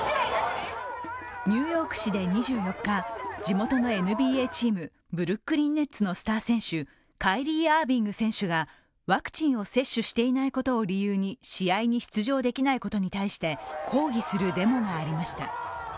ニューヨーク市で２４日、地元のＮＢＡチームブルックリン・ネッツのスター選手カイリー・アービング選手がワクチンを接種していないことを理由に試合に出場できないことに対して抗議するデモがありました。